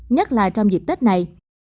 nhắc lại trong dịp tết này